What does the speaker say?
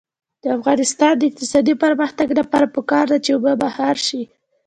د افغانستان د اقتصادي پرمختګ لپاره پکار ده چې اوبه مهار شي.